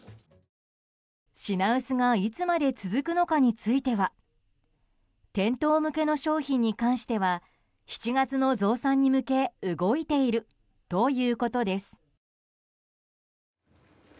品薄がいつまで続くのかについては店頭向けの商品に関しては７月の増産に向けて動いているということです。